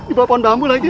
di bawah pohon bambu lagi